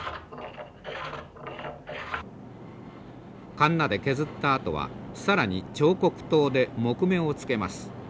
カンナで削ったあとは更に彫刻刀で木目をつけます。